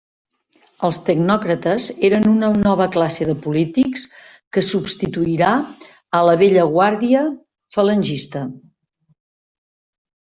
Els tecnòcrates eren una nova classe de polítics que substituirà a la vella guàrdia falangista.